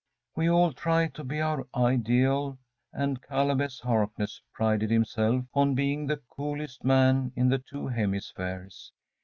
We all try to be our ideal, and Caleb S. Harkness prided himself on being the coolest man in the two hemispheres.